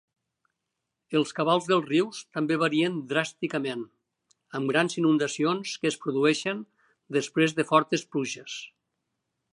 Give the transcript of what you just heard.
Els cabals dels rius també varien dràsticament, amb grans inundacions que es produeixen després de fortes pluges.